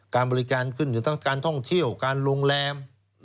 การบริการขึ้นอยู่ทั้งการท่องเที่ยวการโรงแรม